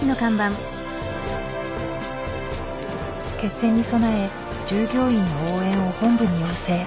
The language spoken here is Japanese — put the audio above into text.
決戦に備え従業員の応援を本部に要請。